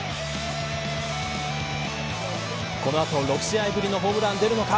この後、６試合ぶりのホームラン出るのか。